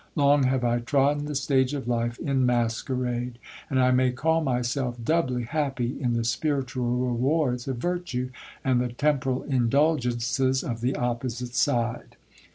Long have I trodden the stage of life in masquerade ; and I may call myself doubly happy, in the spiritual rewards of virtue, and the temporal indulgences of the opposite side.